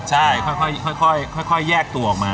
ใช่ค่อยแยกตัวออกมา